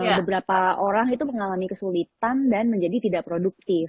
ya beberapa orang itu mengalami kesulitan dan menjadi tidak produktif